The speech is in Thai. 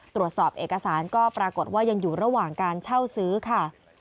ตรวจสอบเอกสารก็ปรากฏว่ายังอยู่ระหว่างการเช่าซื้อค่ะ